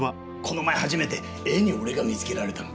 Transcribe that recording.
この前初めて絵に俺が見つけられたの。